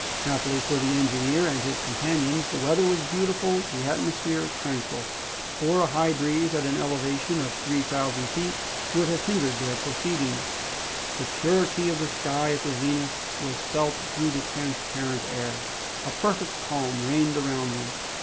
Happily for the engineer and his companions the weather was beautiful, the atmosphere tranquil; for a high breeze at an elevation of three thousand feet would have hindered their proceedings. The purity of the sky at the zenith was felt through the transparent air. A perfect calm reigned around them.